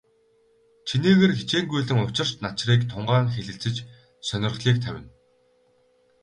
Чинээгээр хичээнгүйлэн учир начрыг тунгаан хэлэлцэж, сонирхлыг тавина.